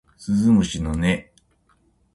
鈴虫の音